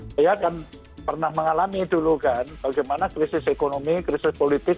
saya kan pernah mengalami dulu kan bagaimana krisis ekonomi krisis politik